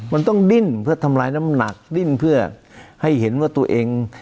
มันต้องดิ้นเพื่อทำลายน้ำหนักดิ้นเพื่อให้เห็นว่าตัวเอง